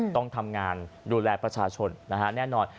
ต้องทำงานดูแลประชาชนนะฮะแน่นอน